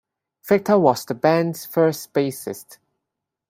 Victor was the band's first bassist.